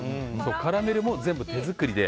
カラメルも全部手作りで。